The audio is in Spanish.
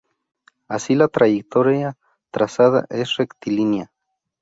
Así, la trayectoria trazada es rectilínea.